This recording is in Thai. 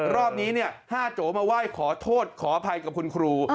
รอบนี้๕โจมาไหว้ขอโทษขออภัยกับคุณครู